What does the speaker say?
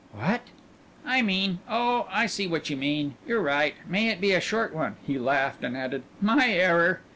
"What?" "I mean oh, I see what you mean. You're right. May it be a short one." He laughed and added, "My error."